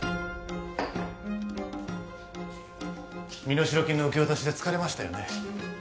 身代金の受け渡しで疲れましたよね